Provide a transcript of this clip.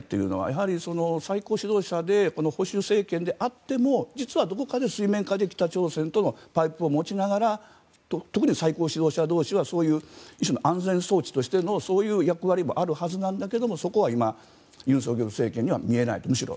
やはり最高指導者で保守政権であっても実はどこかで水面下で北朝鮮とのパイプを持ちながら特に最高指導者同士はそういう一種の安全装置としてのそういう役割もあるはずなんだけどそこは今、尹錫悦政権には見えないと。